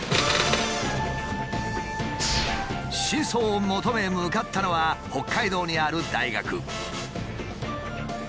真相を求め向かったのは北海道にある大学。